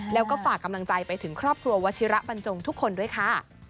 แล้วก็ฝากกำลังใจไปถึงครอบครัววัชิระบรรจงทุกคนด้วยค่ะ